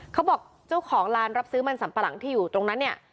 เขาบอกเจ้าของร้านรับซื้อมันสัมปะหลังที่อยู่ตรงนั้นเนี่ย